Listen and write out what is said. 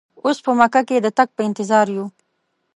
اوس په مکه کې د تګ په انتظار یو.